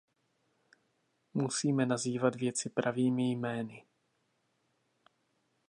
Musíme nazývat věci pravými jmény.